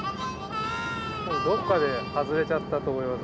多分どっかで外れちゃったと思います。